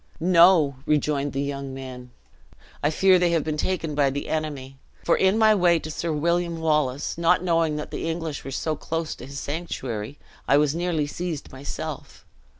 "No," rejoined the young man; "I fear they have been taken by the enemy; for in my way to Sir William Wallace, not knowing the English were so close to his sanctuary, I was nearly seized myself.